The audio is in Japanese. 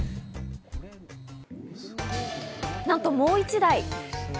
なんと、もう１台。